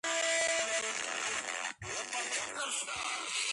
ზამთრის ოლიმპიურ თამაშებში ქვეყანას მონაწილეობა არასოდეს არ მიუღია.